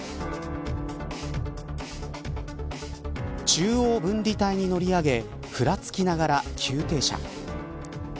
中央分離帯に乗り上げふらつきながら急停車。